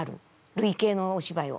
類型のお芝居を。